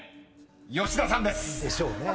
［吉田さんです］でしょうね。